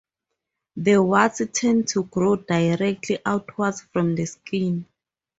The warts tend to grow directly outwards from the skin.